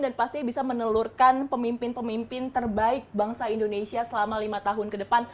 dan pasti bisa menelurkan pemimpin pemimpin terbaik bangsa indonesia selama lima tahun ke depan